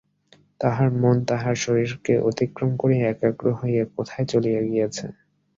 তাহার মন তাহার শরীরকে অতিক্রম করিয়া একাগ্র হইয়া কোথায় চলিয়া গিয়াছে।